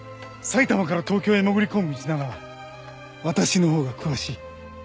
埼玉から東京へ潜り込む道なら私の方が詳しい。